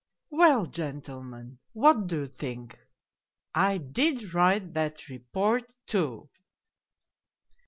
" Well, gentlemen, what do you think ? I did write that report, too